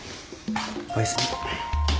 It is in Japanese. おやすみ。